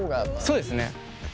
そうですね。